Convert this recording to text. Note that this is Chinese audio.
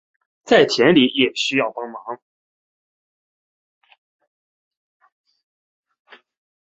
在田里也需帮忙